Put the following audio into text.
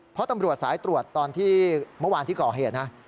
เพราะตำรวจสายตรวจเมื่อวานที่ก่อเหตุ